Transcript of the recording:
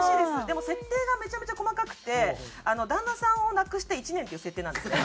でも設定がめちゃめちゃ細かくて旦那さんを亡くして１年っていう設定なんですね。